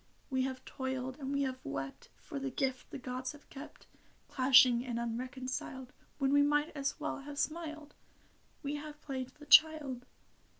We have toiled and we have wept For the gift the gods have kept : Clashing and unreconciled When we might as well have smiled, We have played the child.